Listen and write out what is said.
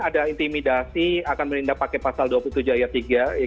ada intimidasi akan menindak pakai pasal dua puluh tujuh ayat tiga